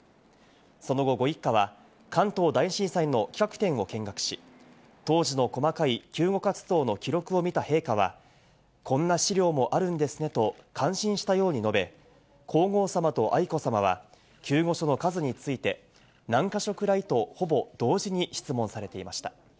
その後、ご一家は関東大震災の企画展を見学し、当時の細かい救護活動の記録を見た陛下は、こんな資料もあるんですねと感心したように述べ、皇后さまと愛子さまは救護所の数について何か所くらい？と、ほぼ同時に質問されていました。